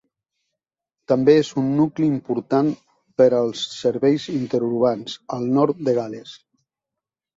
També és un nucli important per als serveis interurbans al nord de Gales.